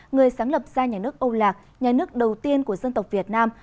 người sáng lập ra nhà nước âu lạc nhà nước đầu tiên của dân tộc việt nam